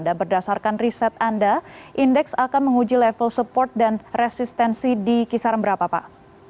berdasarkan riset anda indeks akan menguji level support dan resistensi di kisaran berapa pak